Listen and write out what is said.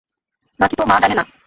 না-কি তোর মা জানে না?